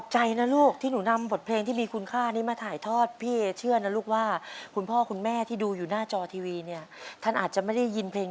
ฉันรนเรภันเนจรไม่รู้จะนอนไหนเอ๋ย